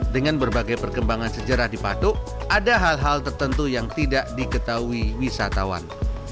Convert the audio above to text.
dengan berbagai perkembangan sejarah di patuk ada hal hal tertentu yang tidak diketahui wisatawan